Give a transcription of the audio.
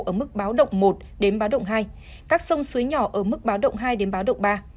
ở mức báo động một đến báo động hai các sông suối nhỏ ở mức báo động hai đến báo động ba